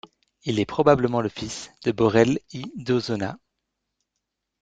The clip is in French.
Il est probablement le fils de Borrell I d'Osona.